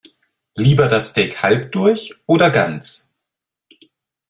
Lieber das Steak halb durch oder ganz?